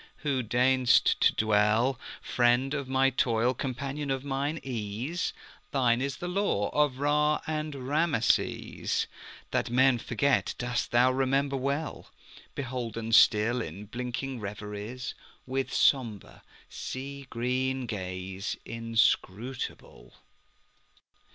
who deign'st to dwellFriend of my toil, companion of mine ease, Thine is the lore of Ra and Rameses; That men forget dost thou remember well, Beholden still in blinking reveriesWith sombre, sea green gaze inscrutable.